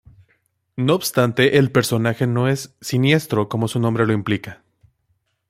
No obstante, el personaje no es siniestro como su nombre lo implica.